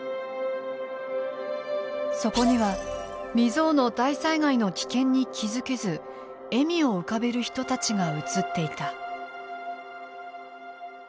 そこには未曽有の大災害の危険に気付けず笑みを浮かべる人たちが映っていた。